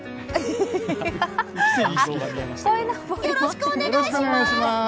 よろしくお願いします！